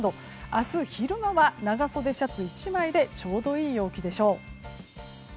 明日、昼間は長袖シャツ１枚でちょうどいい陽気でしょう。